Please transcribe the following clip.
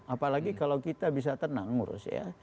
apalagi kalau kita bisa tenang ngurus ya